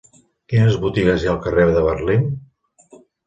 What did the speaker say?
Quines botigues hi ha al carrer de Berlín?